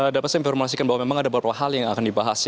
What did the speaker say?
dapat saya informasikan bahwa memang ada beberapa hal yang akan dibahas